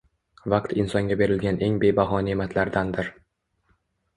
Vaqt insonga berilgan eng bebaho ne’matlardandir.